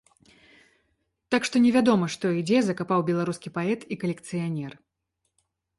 Так што невядома, што і дзе закапаў беларускі паэт і калекцыянер.